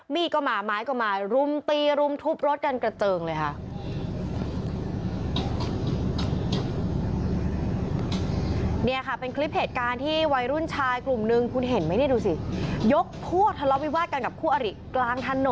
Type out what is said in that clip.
มีดก็มาไม้ก็มารุมตีรุมทุบรถกันกระเจิงเลยค่ะ